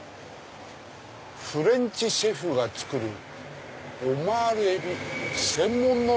「フレンチシェフが作るオマール海老専門のラーメン」。